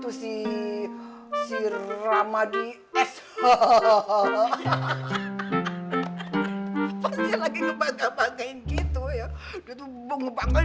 tuh si si ramadi s hahaha pasti lagi ngebantah bantahin gitu ya dia tuh ngebantahin